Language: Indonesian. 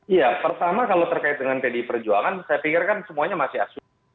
iya pertama kalau terkait dengan pdi perjuangan saya pikir kan semuanya masih asumsi